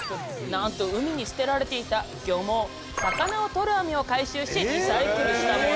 なんと海に捨てられていた漁網魚をとる網を回収しリサイクルしたもの！